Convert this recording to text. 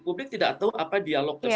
publik tidak tahu apa dialog tersebut